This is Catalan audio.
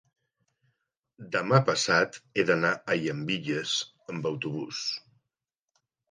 demà passat he d'anar a Llambilles amb autobús.